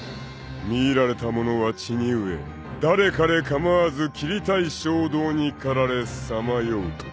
［魅入られた者は血に飢え誰彼構わず斬りたい衝動に駆られさまようとか］